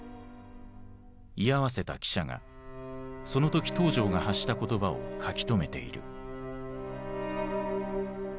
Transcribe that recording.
居合わせた記者がその時東条が発した言葉を書き留めている。